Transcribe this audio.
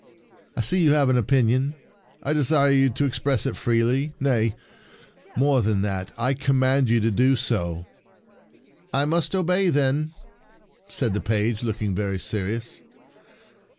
" I see you have an opinion. I desire you to ex press it freely. Nay, more than that, I command you to do so." "I must obey, then," said the page, looking very serious.